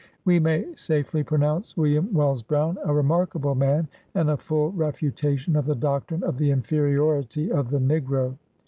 We may safely pronounce William Wells Brown a remarkable mam and a full refutation of the doctrine of the inferiority of the negro."'